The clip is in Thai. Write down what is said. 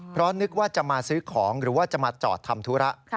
เพราะนึกว่าจะมาซื้อของหรือว่าจะมาจอดทำธุระ